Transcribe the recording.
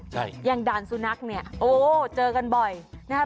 ใช่อย่างด่านสุนัขโอ้เจอกันบ่อยนี่ฮะ